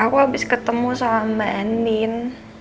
aku abis ketemu sama mbak anin